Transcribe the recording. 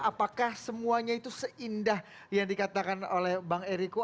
apakah semuanya itu seindah yang dikatakan oleh bang eriko